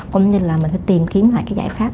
cũng như là mình phải tìm kiếm lại cái giải pháp